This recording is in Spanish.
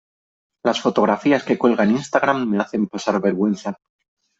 Las fotografías que cuelga en Instagram me hacen pasar vergüenza.